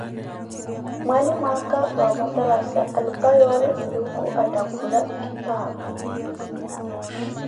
mwanlimo aka wa omatarasa alupa yoori Nluuku attakula nkitaapu.